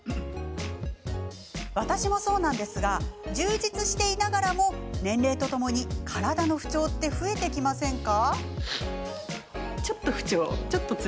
私もそうなんですが充実していながらも年齢とともに体の不調って増えてきませんか？